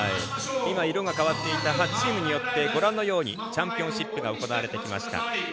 色が変わっていた８チームによってご覧のようにチャンピオンシップが行われてきました。